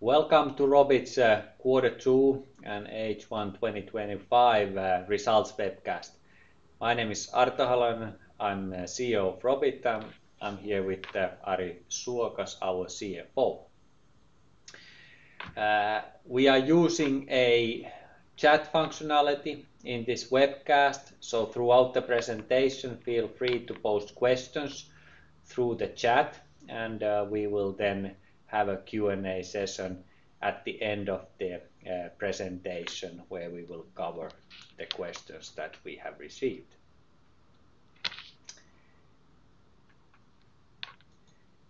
Welcome to Robit Oyj's Q2 and H1 2025 Results Webcast. My name is Arto Halonen, I'm CEO of Robit Oyj. I'm here with Ari Suokas, our CFO. We are using a chat functionality in this webcast, so throughout the presentation, feel free to post questions through the chat, and we will then have a Q&A session at the end of the presentation where we will cover the questions that we have received.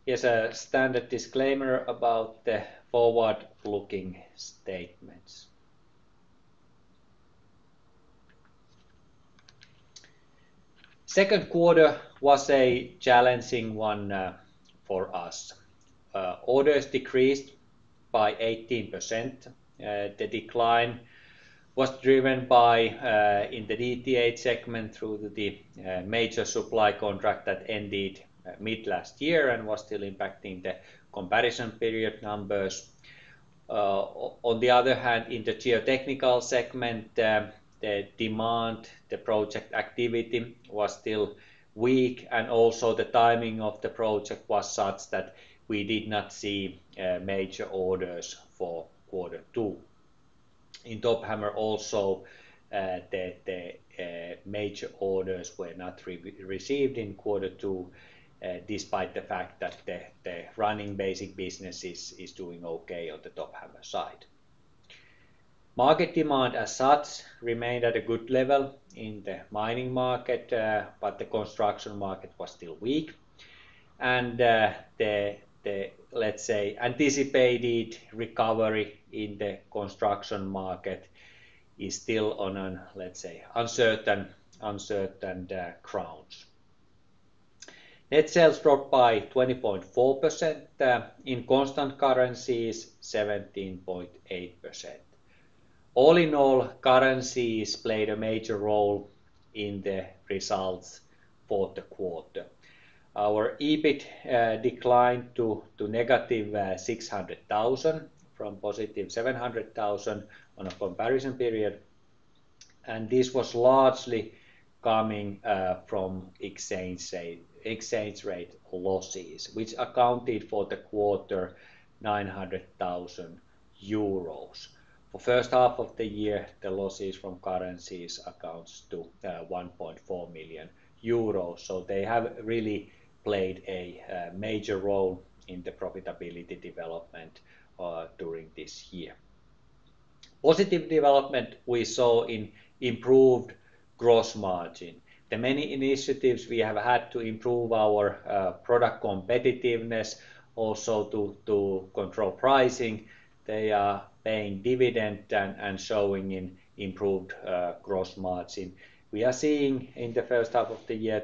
Here's a standard disclaimer about the forward-looking statements. The second quarter was a challenging one for us. Orders decreased by 18%. The decline was driven by, in the Down-the-Hole (DTH) segment, through the major supply contract that ended mid-last year and was still impacting the comparison period numbers. On the other hand, in the geotechnical segment, the demand, the project activity was still weak, and also the timing of the project was such that we did not see major orders for quarter two. In DTH Hammer also, the major orders were not received in quarter two, despite the fact that the running basic business is doing okay on the DTH Hammer side. Market demand as such remained at a good level in the mining market, but the construction market was still weak. The, let's say, anticipated recovery in the construction market is still on an, let's say, uncertain ground. Net sales dropped by 20.4%. In constant currencies, 17.8%. All in all, currencies played a major role in the results for the quarter. Our EBIT declined to -600,000 from +700,000 on a comparison period, and this was largely coming from exchange rate losses, which accounted for the quarter 900,000 euros. For the first half of the year, the losses from currencies accounted for 1.4 million euros, so they have really played a major role in the profitability development during this year. Positive development we saw in improved gross margin. The many initiatives we have had to improve our product competitiveness, also to control pricing, they are paying dividends and showing an improved gross margin. We are seeing in the first half of the year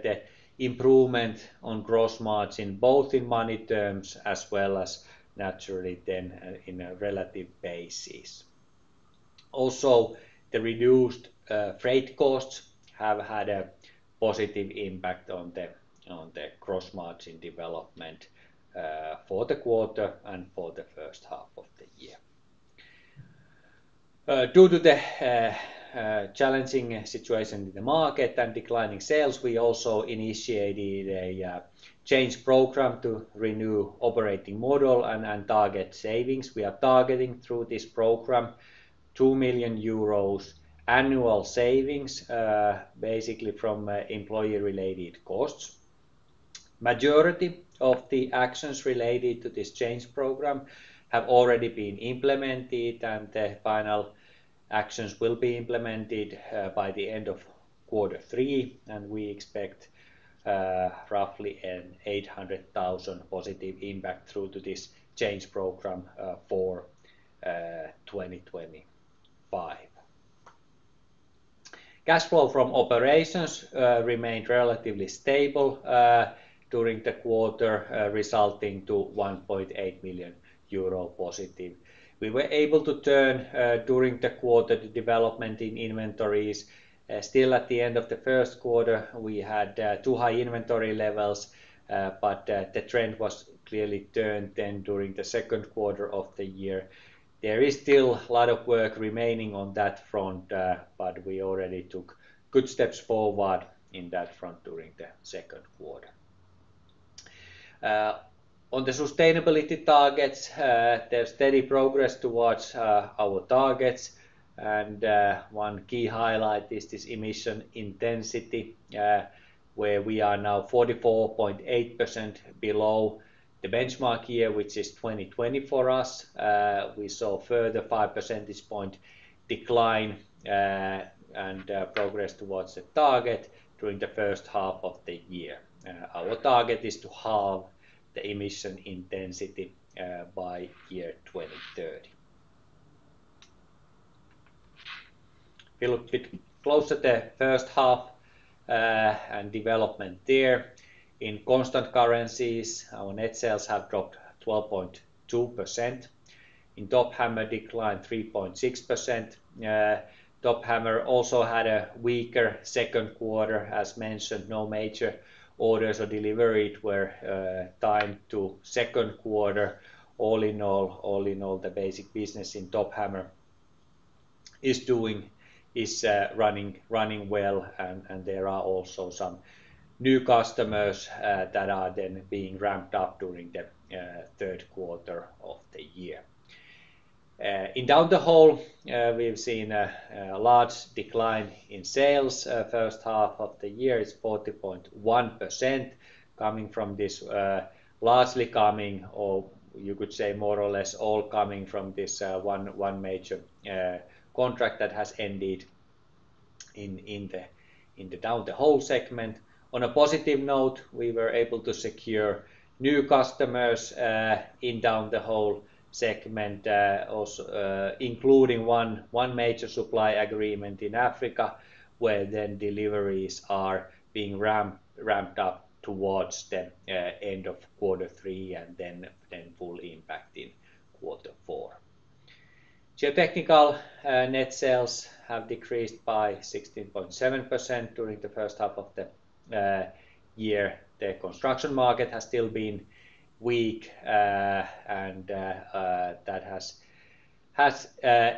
the improvement on gross margin both in money terms as well as naturally then in a relative basis. Also, the reduced freight costs have had a positive impact on the gross margin development for the quarter and for the first half of the year. Due to the challenging situation in the market and declining sales, we also initiated a change program to renew the operating model and target savings. We are targeting through this program 2 million euros annual savings, basically from employee-related costs. The majority of the actions related to this change program have already been implemented, and the final actions will be implemented by the end of quarter three. We expect roughly an +800,000 impact through this change program for 2025. Cash flow from operations remained relatively stable during the quarter, resulting in +1.8 million euro. We were able to turn during the quarter the development in inventories. Still, at the end of the first quarter, we had too high inventory levels, but the trend was clearly turned then during the second quarter of the year. There is still a lot of work remaining on that front, but we already took good steps forward in that front during the second quarter. On the sustainability targets, there's steady progress towards our targets, and one key highlight is this CO2 emission intensity where we are now 44.8% below the benchmark year, which is 2020 for us. We saw a further 5% decline and progress towards the target during the first half of the year. Our target is to halve the emission intensity by year 2030. If you look a bit closer at the first half and development there, in constant currencies, our net sales have dropped 12.2%. In DTH Hammer, they declined 3.6%. DTH Hammer also had a weaker second quarter, as mentioned. No major orders are delivered where time to second quarter. All in all, the basic business in DTH Hammer is running well, and there are also some new customers that are then being ramped up during the third quarter of the year. In the whole, we've seen a large decline in sales in the first half of the year. It's 40.1% coming from this, largely coming, or you could say more or less all coming from this one major contract that has ended in the Down-the-Hole segment. On a positive note, we were able to secure new customers in the Down-the-Hole segment, including one major supply agreement in Africa, where then deliveries are being ramped up towards the end of quarter three and then full impact in quarter four. Geotechnical net sales have decreased by 16.7% during the first half of the year. The construction market has still been weak, and that has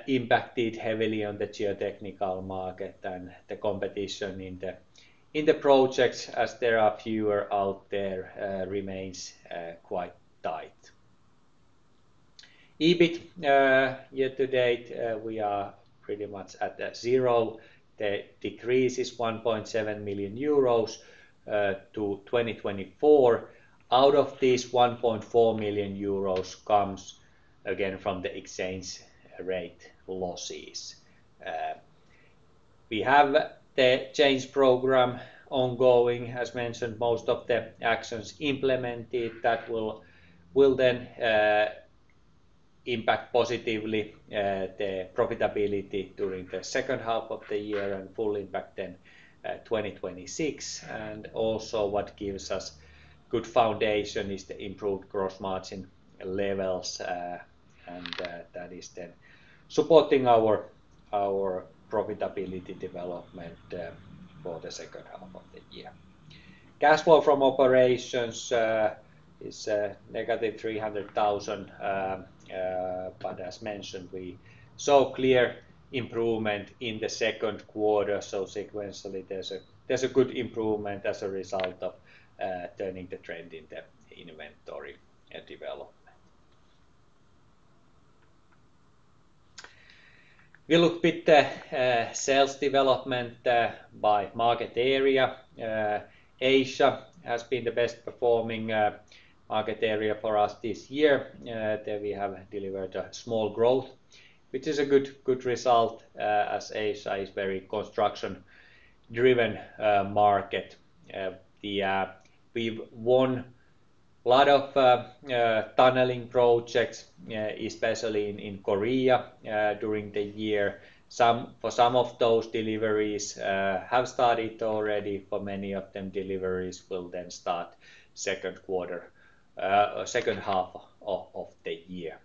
impacted heavily on the geotechnical market and the competition in the projects, as there are fewer out there, remains quite tight. EBIT, year to date, we are pretty much at zero. The decrease is 1.7 million euros to 2024. Out of this, 1.4 million euros comes again from the exchange rate losses. We have the change program ongoing, as mentioned, most of the actions implemented that will then impact positively the profitability during the second half of the year and full impact in 2026. Also, what gives us good foundation is the improved gross margin levels, and that is then supporting our profitability development for the second half of the year. Cash flow from operations is -0.3 million, but as mentioned, we saw clear improvement in the second quarter. Sequentially, there's a good improvement as a result of turning the trend in the inventory development. We looked at sales development by market area. Asia has been the best performing market area for us this year. We have delivered a small growth, which is a good result as Asia is a very construction-driven market. We've won a lot of tunneling projects, especially in Korea, during the year. For some of those, deliveries have started already. For many of them, deliveries will then start the second quarter, second half of the year.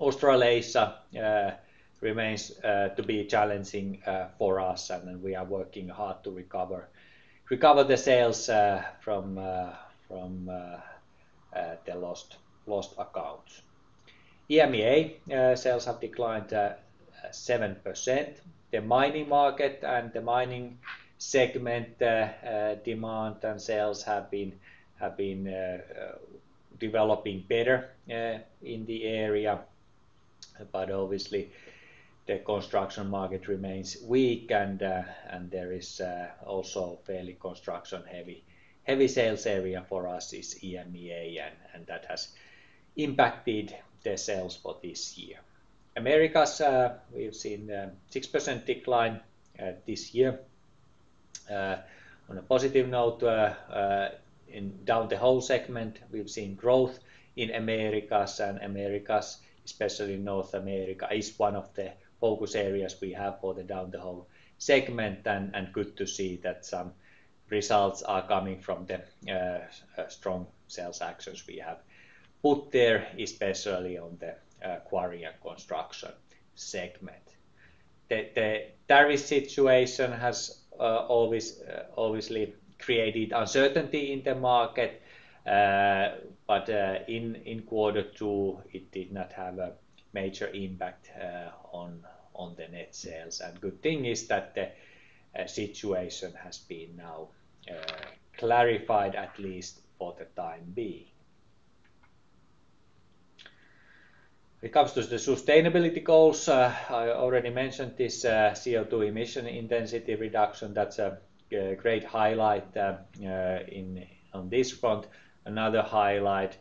Australia remains to be challenging for us, and we are working hard to recover the sales from the lost accounts. EMEA sales have declined 7%. The mining market and the mining segment demand and sales have been developing better in the area, but obviously, the construction market remains weak, and there is also a fairly construction-heavy sales area for us, EMEA, and that has impacted the sales for this year. Americas, we've seen a 6% decline this year. On a positive note, in the Down-the-Hole segment, we've seen growth in Americas, and Americas, especially North America, is one of the focus areas we have for the Down-the-Hole segment, and good to see that some results are coming from the strong sales actions we have put there, especially on the quarry and construction segment. The tariff situation has always obviously created uncertainty in the market, but in quarter two, it did not have a major impact on the net sales. The good thing is that the situation has been now clarified, at least for the time being. When it comes to the sustainability goals, I already mentioned this CO2 emission intensity reduction. That's a great highlight on this front. Another highlight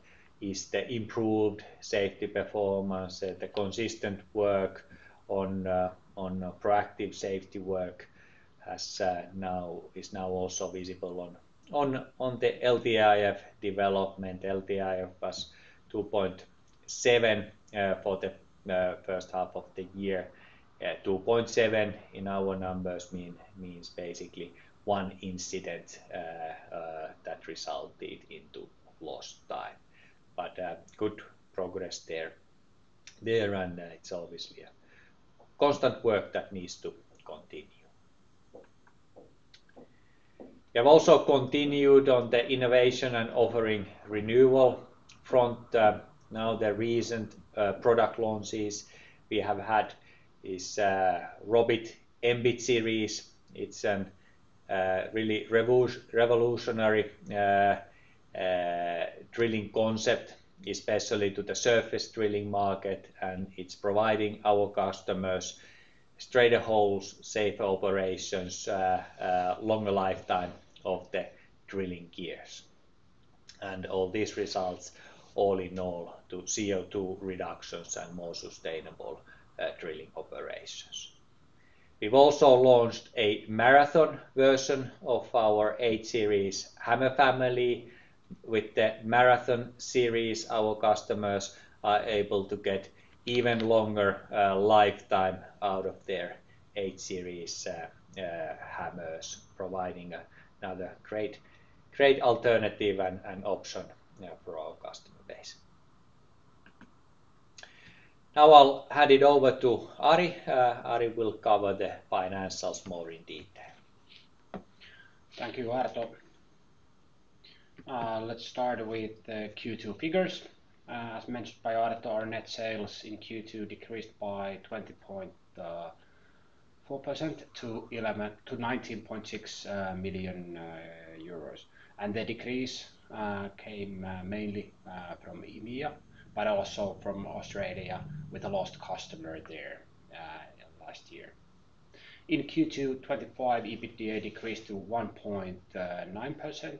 is the improved safety performance. The consistent work on proactive safety work is now also visible on the LTIF development. LTIF was 2.7 for the first half of the year. 2.7 in our numbers means basically one incident that resulted in lost time. Good progress there. It's obviously constant work that needs to continue. We have also continued on the innovation and offering renewal front. The recent product launches we have had is the Robit MBIT series. It's a really revolutionary drilling concept, especially to the surface drilling market, and it's providing our customers straighter holes, safer operations, and a longer lifetime of the drilling gears. All these results, all in all, to CO2 reductions and more sustainable drilling operations. We've also launched a marathon version of our H-series hammer family. With the marathon series, our customers are able to get an even longer lifetime out of their H-series hammers, providing another great alternative and option for our customer base. Now I'll hand it over to Ari. Ari will cover the financials more in detail. Thank you, Arto. Let's start with the Q2 figures. As mentioned by Arto, our net sales in Q2 decreased by 20.4% to 19.6 million euros. The decrease came mainly from EMEA, but also from Australia with a lost customer there last year. In Q2 2025, EBITDA decreased to 1.9%,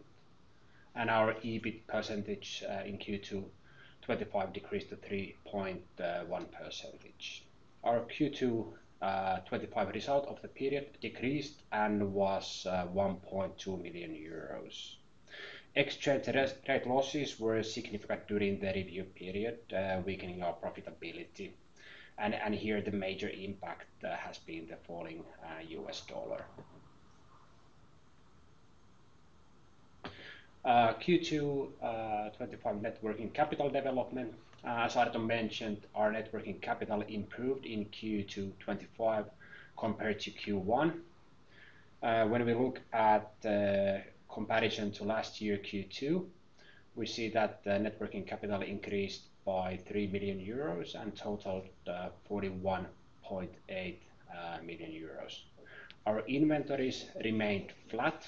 and our EBIT percentage in Q2 2025 decreased to 3.1%. Our Q2 2025 result of the period decreased and was 1.2 million euros. Exchange rate losses were significant during the review period, weakening our profitability. Here, the major impact has been the falling U.S. dollar. Q2 2025 net working capital development, as Arto mentioned, our net working capital improved in Q2 2025 compared to Q1. When we look at the comparison to last year Q2, we see that the net working capital increased by 3 million euros and totaled 41.8 million euros. Our inventories remained flat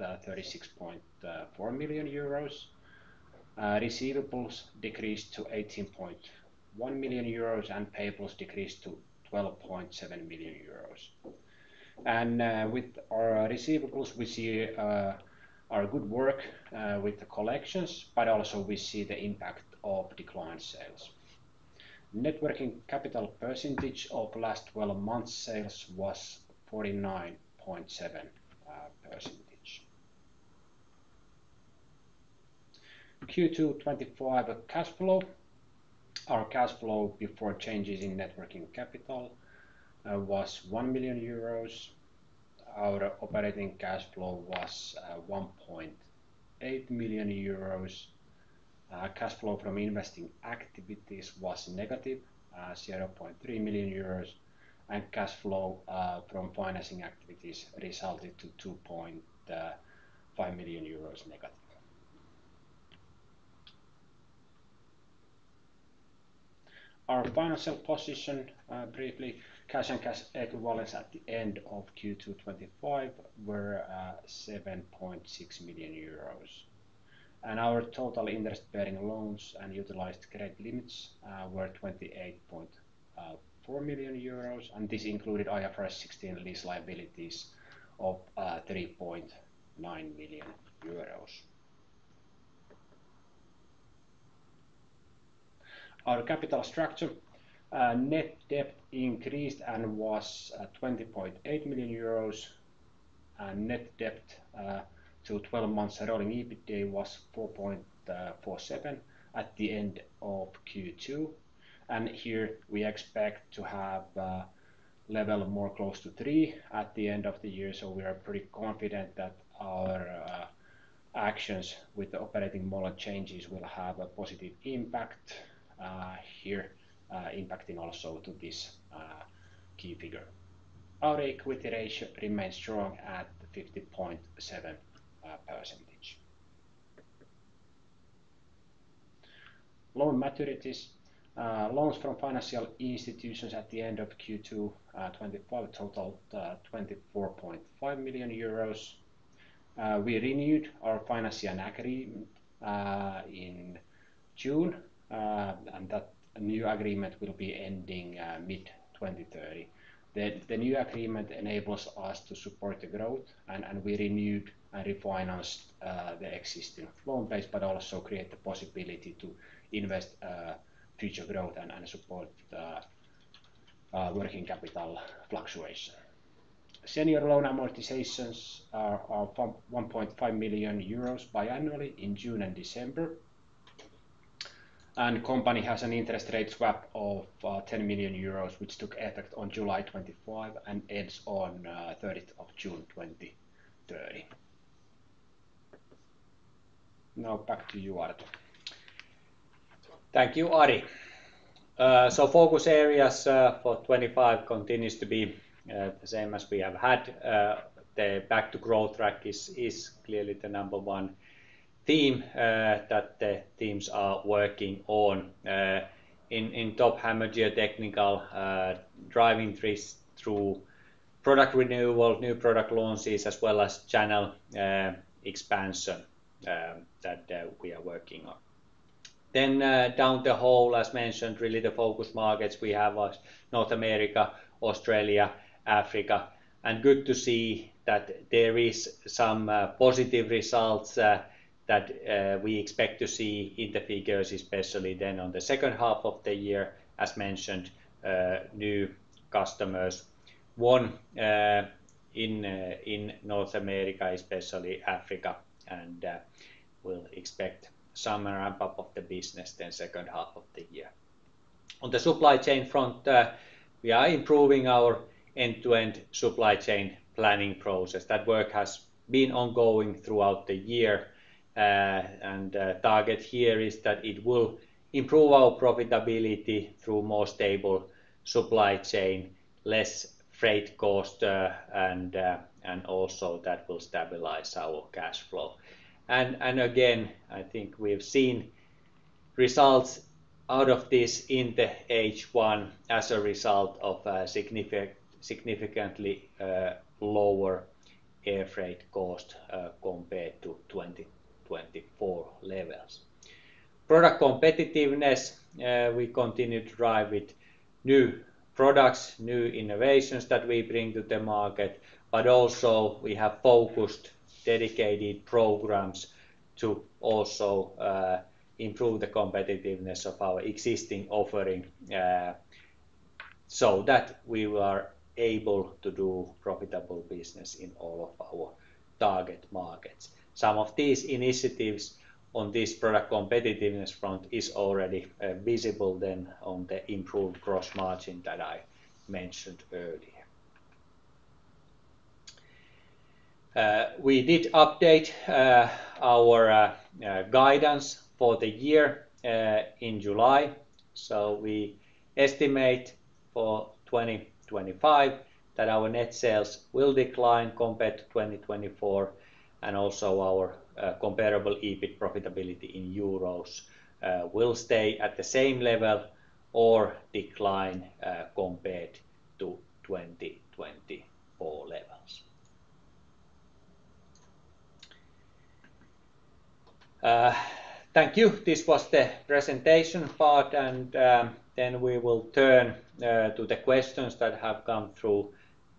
at 36.4 million euros. Receivables decreased to 18.1 million euros, and payables decreased to 12.7 million euros. With our receivables, we see our good work with the collections, but also we see the impact of declined sales. Net working capital percentage of last 12 months' sales was 49.7%. Q2 2025 cash flow, our cash flow before changes in net working capital was 1 million euros. Our operating cash flow was 1.8 million euros. Cash flow from investing activities was, -0.3 million euros, and cash flow from financing activities resulted in -2.5 million euros. Our final cash position, briefly, cash and cash equivalents at the end of Q2 2025 were 7.6 million euros. Our total interest-bearing loans and utilized credit limits were 28.4 million euros, and this included IFRS 16 lease liabilities of 3.9 million euros. Our capital structure, net debt increased and was 20.8 million euros, and net debt to 12 months rolling EBITDA was 4.47 million at the end of Q2. We expect to have a level more close to 3 at the end of the year, so we are pretty confident that our actions with the operating model changes will have a positive impact here, impacting also this key figure. Our equity ratio remains strong at 50.7%. Loan maturities, loans from financial institutions at the end of Q2 2025 totaled 24.5 million euros. We renewed our finance agreement in June, and that new agreement will be ending mid-2030. The new agreement enables us to support the growth, and we renewed and refinanced the existing loan base, but also created the possibility to invest in future growth and support the working capital fluctuation. Senior loan amortizations are 1.5 million euros biannually in June and December, and the company has an interest rate swap of 10 million euros, which took effect on July 25 and ends on June 30, 2030. Now back to you, Arto. Thank you, Ari. Focus areas for 2025 continue to be the same as we have had. The back-to-growth track is clearly the number one theme that the teams are working on in DTH Hammer Geotechnical, driving through product renewal, new product launches, as well as channel expansion that we are working on. Down-the-Hole, as mentioned, really the focus markets we have are North America, Australia, Africa, and good to see that there are some positive results that we expect to see in the figures, especially in the second half of the year. As mentioned, new customers won in North America, especially Africa, and we'll expect some ramp-up of the business in the second half of the year. On the supply chain front, we are improving our end-to-end supply chain planning process. That work has been ongoing throughout the year, and the target here is that it will improve our profitability through a more stable supply chain, less freight costs, and also that will stabilize our cash flow. I think we've seen results out of this in H1 as a result of a significantly lower air freight cost compared to 2024 levels. Product competitiveness, we continue to drive with new products, new innovations that we bring to the market, but also we have focused dedicated programs to also improve the competitiveness of our existing offering so that we are able to do profitable business in all of our target markets. Some of these initiatives on this product competitiveness front are already visible in the improved gross margin that I mentioned earlier. We did update our guidance for the year in July, so we estimate for 2025 that our net sales will decline compared to 2024, and also our comparable EBIT profitability in euros will stay at the same level or decline compared to 2024 levels. Thank you. This was the presentation part, and then we will turn to the questions that have come through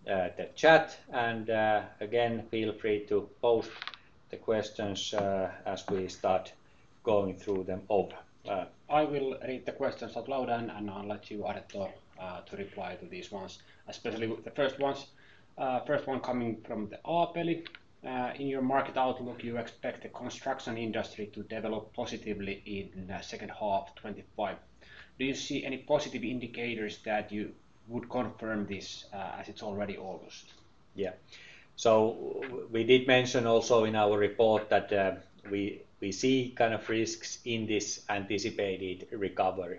the chat. Feel free to post the questions as we start going through them. I will read the questions out loud, and I'll let you, Arto, reply to these ones, especially the first ones. First one coming from Aapeli. In your market outlook, you expect the construction industry to develop positively in the second half of 2025. Do you see any positive indicators that you would confirm this as it's already almost? Yeah. We did mention also in our report that we see kind of risks in this anticipated recovery.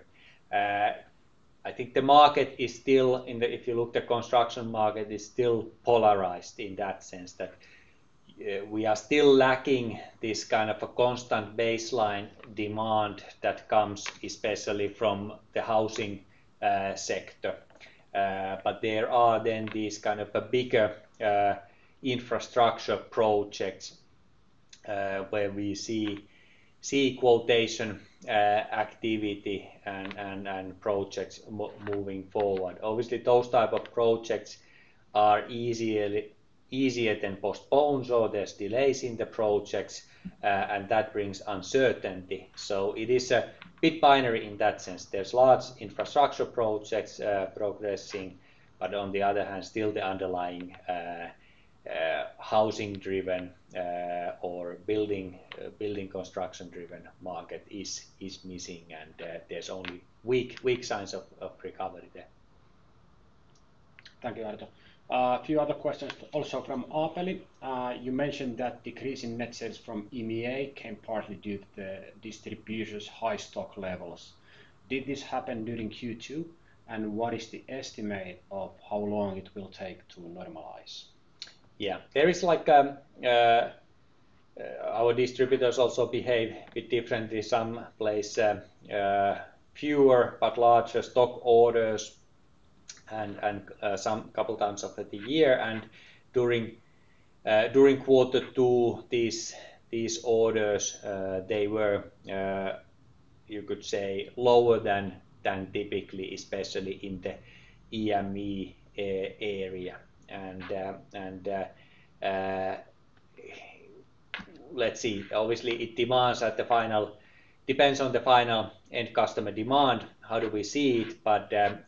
I think the market is still, if you look at the construction market, is still polarized in that sense that we are still lacking this kind of a constant baseline demand that comes especially from the housing sector. There are then these kind of bigger infrastructure projects where we see quotation activity and projects moving forward. Obviously, those types of projects are easier than postponed, so there's delays in the projects, and that brings uncertainty. It is a bit binary in that sense. There's lots of infrastructure projects progressing, but on the other hand, still the underlying housing-driven or building construction-driven market is missing, and there's only weak signs of recovery there. Thank you, Arto. Two other questions also from Aapeli. You mentioned that decreasing net sales from EMEA can partly do with the distributors' high stock levels. Did this happen during Q2, and what is the estimate of how long it will take to normalize? Yeah. Our distributors also behave a bit differently. Some place fewer but larger stock orders a couple of times a year. During quarter two, these orders, they were, you could say, lower than typically, especially in the EMEA area. Let's see, obviously, it depends on the final end customer demand, how do we see it.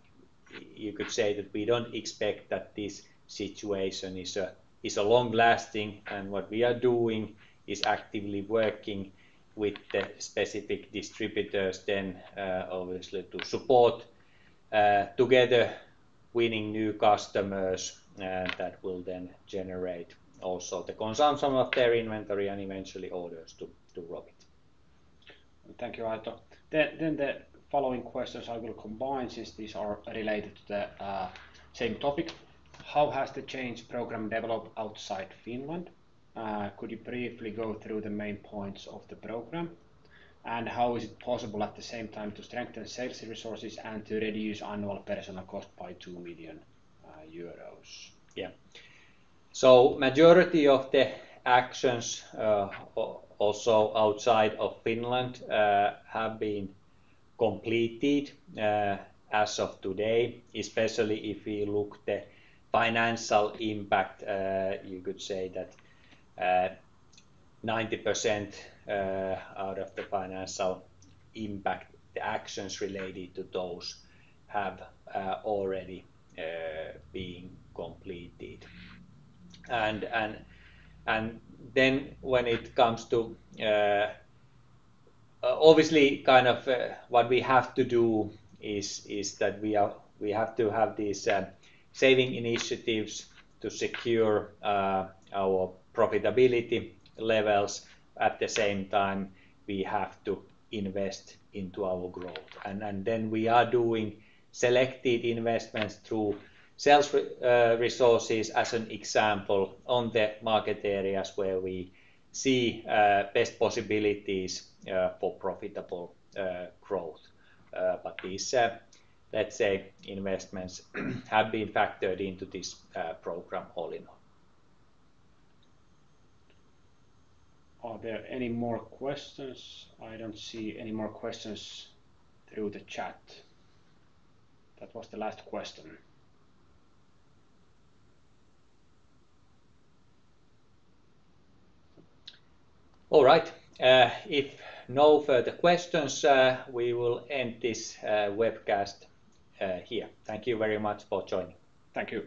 You could say that we don't expect that this situation is long-lasting, and what we are doing is actively working with the specific distributors then, obviously, to support together, winning new customers that will then generate also the consumption of their inventory and eventually orders to Robit. Thank you, Arto. The following questions I will combine since these are related to the same topic. How has the change program developed outside Finland? Could you briefly go through the main points of the program, and how is it possible at the same time to strengthen sales resources and to reduce annual personnel cost by 2 million euros? Yeah. The majority of the actions also outside of Finland have been completed as of today, especially if we look at the financial impact. You could say that 90% out of the financial impact, the actions related to those have already been completed. When it comes to what we have to do, we have to have these saving initiatives to secure our profitability levels. At the same time, we have to invest into our growth. We are doing selected investments through sales resources, as an example, on the market areas where we see best possibilities for profitable growth. These investments have been factored into this program all in all. Are there any more questions? I don't see any more questions through the chat. That was the last question. If no further questions, we will end this webcast here. Thank you very much for joining. Thank you.